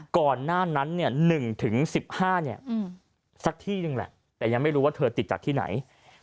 ก่อนหน้านั้น๑๑๕สักที่หนึ่งแหละแต่ยังไม่รู้ว่าเธอติดจากที่ไหน